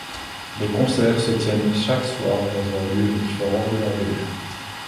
Les concerts se tiennent chaque soir dans un lieu différent de la ville.